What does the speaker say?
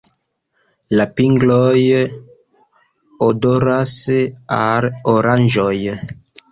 La pingloj odoras al oranĝoj.